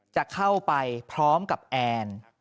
จะเข้าไปพร้อมกับแอน